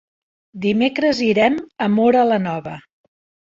Dimecres irem a Móra la Nova.